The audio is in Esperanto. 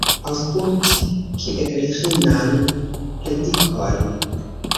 Aŭskulti kiel ĥinan predikon.